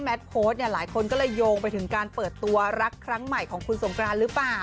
โพสต์เนี่ยหลายคนก็เลยโยงไปถึงการเปิดตัวรักครั้งใหม่ของคุณสงกรานหรือเปล่า